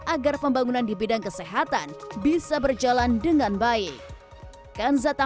agar pembangunan di bidang kesehatan bisa berjalan dengan baik